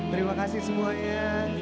terima kasih semuanya